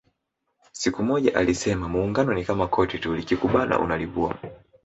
Siku moja alisema Muungano ni kama koti tu likikubana unalivua